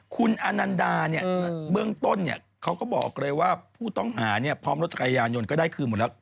คุณอนันดาเนี่ยเบื้องต้นเขาก็บอกเลยว่าผู้ต้องหาพร้อมรถจักรยานยนต์ก็ได้คืนหมดแล้ว